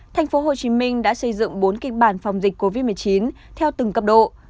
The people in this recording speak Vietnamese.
thành phố hồ chí minh đã xây dựng bốn kịch bản phòng dịch covid một mươi chín theo từng cấp độ